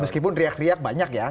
meskipun riak riak banyak ya